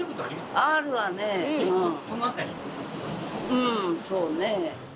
うんそうね。